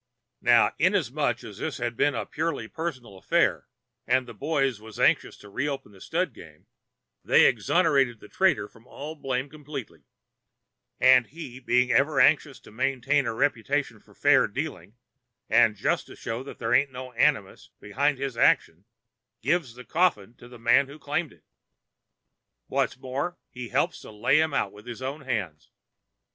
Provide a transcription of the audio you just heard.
"Now, inasmuch as this had been a purely personal affair and the boys was anxious to reopen the stud game, they exonerated the trader from all blame complete, and he, being ever anxious to maintain a reputation for fair dealing and just to show that there ain't no animus behind his action, gives the coffin to the man who had claimed it. What's more, he helps to lay him out with his own hands.